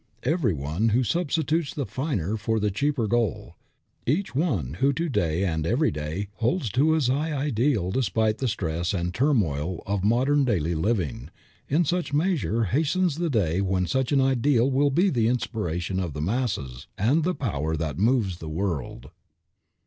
Every one who substitutes the finer for the cheaper goal, each one who to day and every day holds to his high ideal despite the stress and turmoil of modern daily living, in such measure hastens the day when such an ideal will be the inspiration of the masses and the power that moves the world.